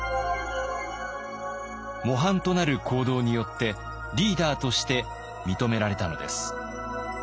模範となる行動によってリーダーとして認められたのです。